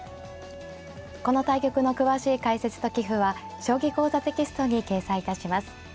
この対局の詳しい解説と棋譜は「将棋講座」テキストに掲載いたします。